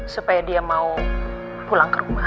supaya dia mau pulang ke rumah